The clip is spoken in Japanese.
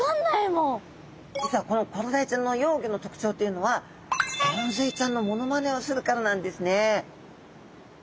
実はこのコロダイちゃんの幼魚の特徴というのはゴンズイちゃんのモノマネをするからなんですね。